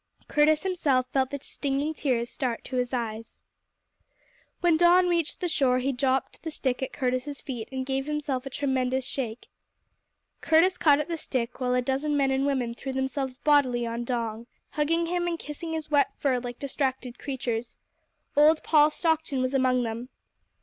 Curtis himself felt the stinging tears start to his eyes. When Don reached the shore he dropped the stick at Curtis's feet and gave himself a tremendous shake. Curtis caught at the stick, while a dozen men and women threw themselves bodily on Don, hugging him and kissing his wet fur like distracted creatures. Old Paul Stockton was among them.